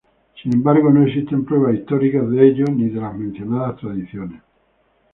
Sin embargo, no existen pruebas históricas de ello ni de las mencionadas tradiciones.